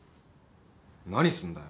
何すんだよ。